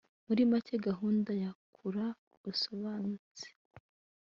muri make gahunda ya kura usobanutse